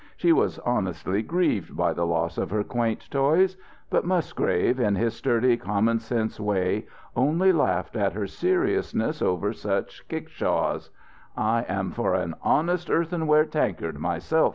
She was honestly grieved by the loss of her quaint toys. But Musgrave, in his sturdy, common sense way, only laughed at her seriousness over such kickshaws. "I am for an honest earthenware tankard myself!"